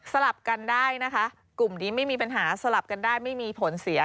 ลับกันได้นะคะกลุ่มนี้ไม่มีปัญหาสลับกันได้ไม่มีผลเสีย